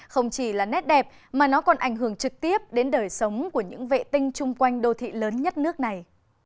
không chỉ là nét đẹp mà nó còn ảnh hưởng trực tiếp đến đời sống của những vệ tinh chung quanh đô thị lớn nhất nước này